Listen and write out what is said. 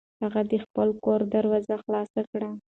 هغه د خپل کور دروازه خلاصه کړه.